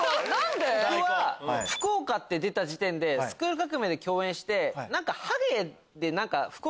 僕は「福岡」って出た時点で『スクール革命！』で共演して。